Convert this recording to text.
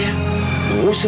kamu bagus bmw jessica